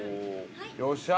◆よっしゃ！